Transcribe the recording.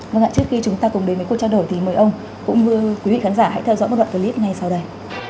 vâng ạ trước khi chúng ta cùng đến với cuộc trao đổi thì mời ông cũng quý vị khán giả hãy theo dõi một đoạn clip ngay sau đây